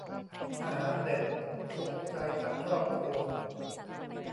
อาหารเด็ด สุขใจทั้งครอบครัว